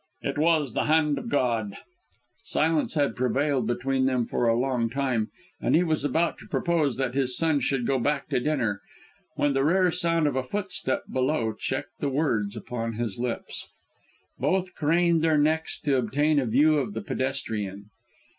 "It was the hand of God." Silence had prevailed between them for a long time, and he was about to propose that his son should go back to dinner, when the rare sound of a footstep below checked the words upon his lips. Both craned their necks to obtain a view of the pedestrian.